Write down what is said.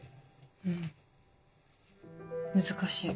うん難しい。